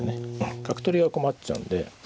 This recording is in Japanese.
角取りは困っちゃうんで。